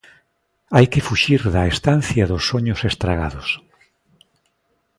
Hai que fuxir da estancia dos soños estragados.